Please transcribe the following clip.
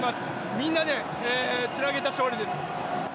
みんなでつなげた勝利です。